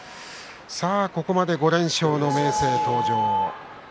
ここまで５連勝の明生登場。